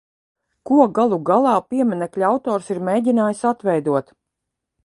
Ko galu galā pieminekļa autors ir mēģinājis atveidot.